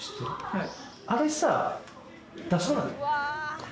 はい。